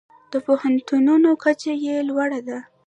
د پوهنتونونو کچه یې لوړه ده.